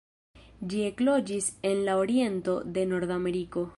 Ĝi ekloĝis en la oriento de Nordameriko.